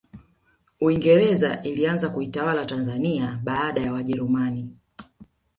uingereza ilianza kuitawala tanzania baada ya wajerumani